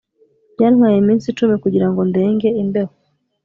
Byantwaye iminsi icumi kugirango ndenge imbeho